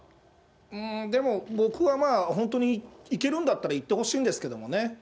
ううん、でも、僕は本当に本当に行けるんだったら行ってほしいんですけどもね。